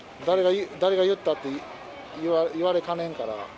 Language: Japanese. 誰が言った？って言われかねんから。